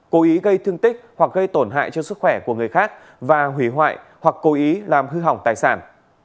cố ý gây thương tích hoặc gây tổn hại cho sức khỏe của người khác và hủy hoại hoặc cố ý làm hư hỏng tài sản